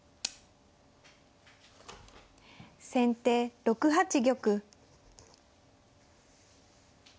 先手６八玉。